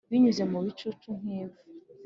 binyuze mu bicu nk'ivu